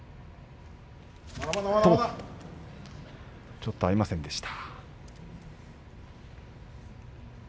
ちょっと合いませんでした。